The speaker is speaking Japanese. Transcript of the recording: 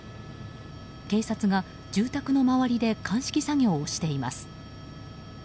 警察が住宅の周りで鑑識作業をしています。